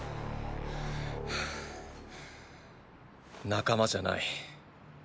仲間じゃない。